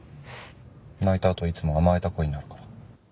泣いたあといつも甘えた声になるから。